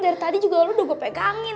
dari tadi juga lo udah gue pegangin